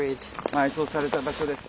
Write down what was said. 埋葬された場所です。